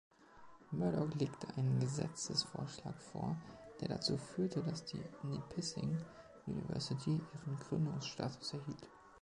Murdock legte einen Gesetzesvorschlag vor, der dazu führte, dass die Nipissing University ihren Gründungsstatus erhielt.